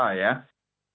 sangat luar biasa ya